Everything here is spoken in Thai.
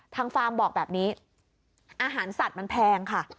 ฟาร์มบอกแบบนี้อาหารสัตว์มันแพงค่ะ